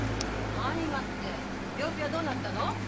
「何が」って病気はどうなったの？